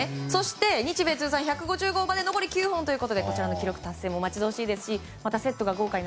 そして日米通算１５０号まで残り９本ということでこちらの記録達成も待ち遠しいです。